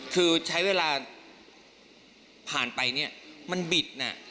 คือใช้เวลาผ่านไปเนี่ยมันบิดน่ะ